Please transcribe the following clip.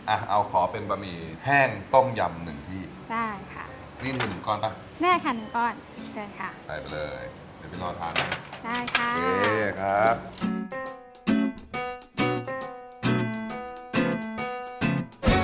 อะเอาขอเป็นปะหมี่แห้งต้มยำหนึ่งพี่ได้ค่ะมีหนึ่งก้อนป่ะเนี่ยค่ะหนึ่งก้อนเชิญค่ะ